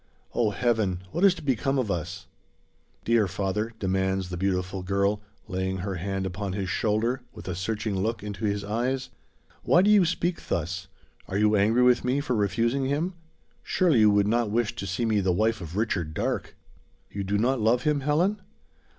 O Heaven! what is to become of us?" "Dear father!" demands the beautiful girl, laying her hand upon his shoulder, with a searching look into his eyes; "why do you speak thus? Are you angry with me for refusing him? Surely you would not wish to see me the wife of Richard Darke?" "You do not love him, Helen?"